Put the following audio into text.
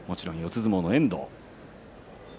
相撲の遠藤です。